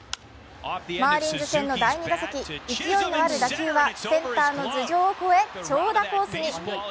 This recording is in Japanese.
マーリンズ戦の第２打席、勢いのある打球はセンターの頭上を越え長打コースに。